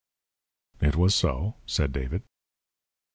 "It was so," said David.